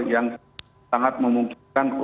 yang sangat memungkinkan untuk